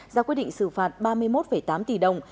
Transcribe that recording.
ra quyết định xử phạt ba mươi một tám tỷ đồng